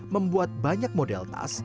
membuat banyak model tas